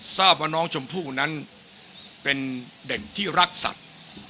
ทราบว่าน้องชมพู่นั้นเป็นเด็กที่รักสัตว์